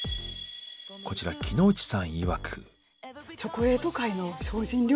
こちら木野内さんいわく。